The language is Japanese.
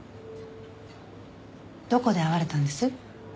どこで会われたんです？